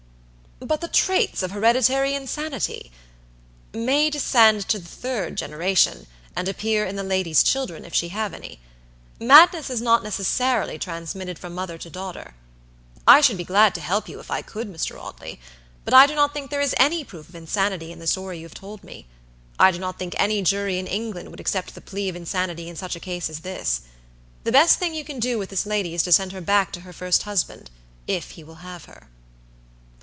"But the traits of hereditary insanity" "May descend to the third generation, and appear in the lady's children, if she have any. Madness is not necessarily transmitted from mother to daughter. I should be glad to help you, if I could, Mr. Audley, but I do not think there is any proof of insanity in the story you have told me. I do not think any jury in England would accept the plea of insanity in such a case as this. The best thing you can do with this lady is to send her back to her first husband; if he will have her."